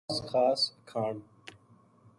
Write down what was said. خاص خاص اکھان